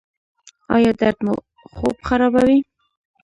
ایا درد مو خوب خرابوي؟